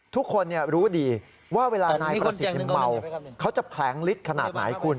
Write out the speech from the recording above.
ทุกคนรู้ดีว่าเวลานายประสิทธิ์เมาเขาจะแผลงฤทธิ์ขนาดไหนคุณ